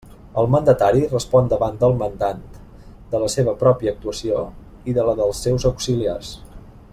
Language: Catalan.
El mandatari respon davant del mandant de la seva pròpia actuació i de la dels seus auxiliars.